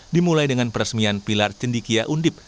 dimulai dengan peresmian pilar cendikia undip